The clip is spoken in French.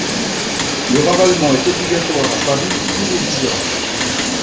Le ravalement est obligatoire à Paris tous les dix ans.